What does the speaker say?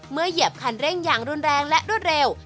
เหยียบคันเร่งอย่างรุนแรงและรวดเร็ว